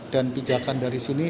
dan pijakan dari sini